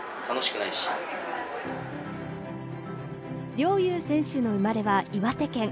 陵侑選手の生まれは岩手県。